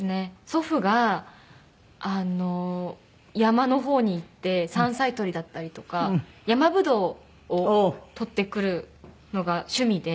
祖父があの山の方に行って山菜採りだったりとかヤマブドウを採ってくるのが趣味で。